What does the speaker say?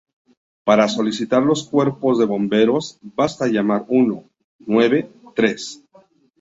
Para solicitar los Cuerpos de Bomberos basta llamar uno, nueve, tres.